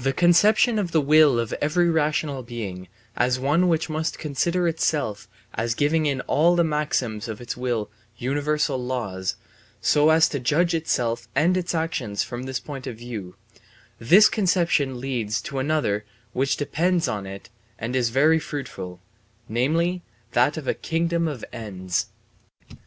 The conception of the will of every rational being as one which must consider itself as giving in all the maxims of its will universal laws, so as to judge itself and its actions from this point of view this conception leads to another which depends on it and is very fruitful, namely that of a kingdom of ends.